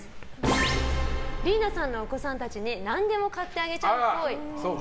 リイナさんのお子さんたちに何でも買ってあげちゃうっぽい。